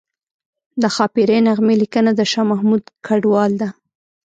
د ښاپیرۍ نغمې لیکنه د شاه محمود کډوال ده